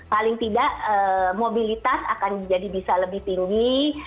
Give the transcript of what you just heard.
paling tidak mobilitas akan jadi bisa lebih tinggi